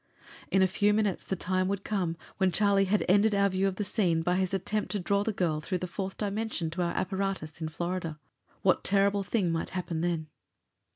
In a few minutes the time would come when Charlie had ended our view of the scene by his attempt to draw the girl through the fourth dimension to our apparatus in Florida. What terrible thing might happen then?